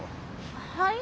はい？